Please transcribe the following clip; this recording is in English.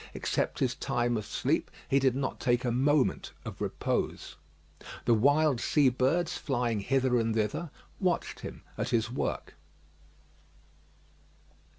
Except his time of sleep, he did not take a moment of repose. The wild sea birds, flying hither and thither, watched him at his work.